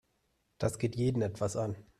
Das geht jeden etwas an.